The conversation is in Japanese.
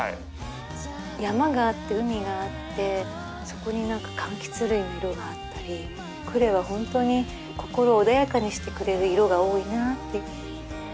山があって海があってそこにかんきつ類の色があったり呉はホントに心穏やかにしてくれる色が多いなって。